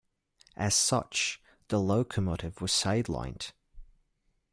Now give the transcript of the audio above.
As such, the locomotive was sidelined.